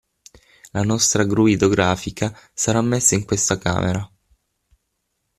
La nostra gru idrografica sarà messa in questa camera.